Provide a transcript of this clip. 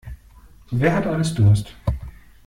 Wer hat alles Durst?